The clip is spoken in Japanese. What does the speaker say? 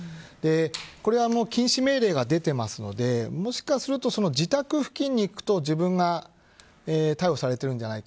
これは禁止命令が出ていますのでもしかすると自宅付近に行くと自分が逮捕されるんじゃないか。